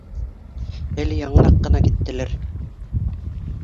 Әле яңыраҡ ҡына киттеләр